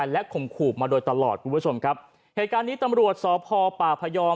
และข่มขู่มาโดยตลอดคุณผู้ชมครับเหตุการณ์นี้ตำรวจสพป่าพยอม